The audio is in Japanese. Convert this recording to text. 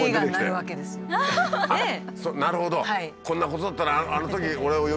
「こんなことだったら」